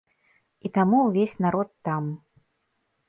І таму ўвесь народ там!